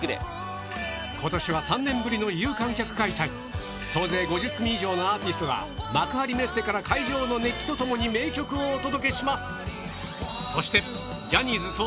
今年は３年ぶりの有観客開催総勢５０組以上のアーティストが幕張メッセから会場の熱気とともに名曲をお届けします